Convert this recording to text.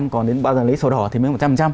còn đến bao giờ lấy sổ đỏ thì mới một trăm linh